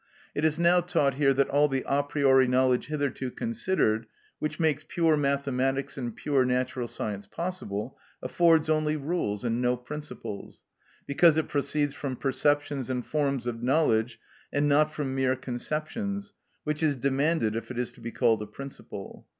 It is now taught here that all the a priori knowledge hitherto considered, which makes pure mathematics and pure natural science possible, affords only rules, and no principles; because it proceeds from perceptions and forms of knowledge, and not from mere conceptions, which is demanded if it is to be called a principle.